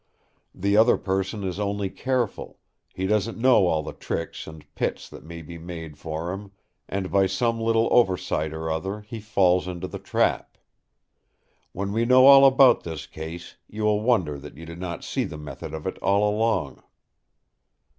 The other person is only careful; he doesn't know all the tricks and pits that may be made for him, and by some little oversight or other he falls into the trap. When we know all about this case, you will wonder that you did not see the method of it all along!"